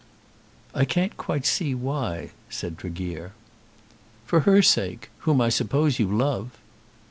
"I can't quite see why," said Tregear. "For her sake, whom I suppose you love."